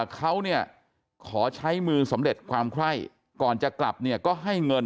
เขาเนี่ยขอใช้มือสำเร็จความไคร้ก่อนจะกลับเนี่ยก็ให้เงิน